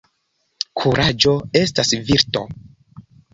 Kuraĝo estas virto.